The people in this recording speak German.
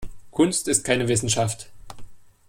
Kunst ist keine Wissenschaft.